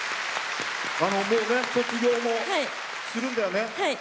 卒業もするんだよね。